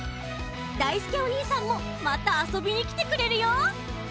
だいすけおにいさんもまたあそびにきてくれるよ！